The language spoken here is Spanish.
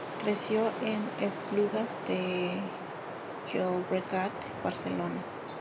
Creció en Esplugas de Llobregat, Barcelona.